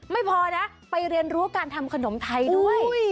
ไม่พอนะไปเรียนรู้การทำขนมไทยด้วย